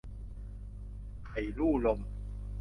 ไผ่ลู่ลม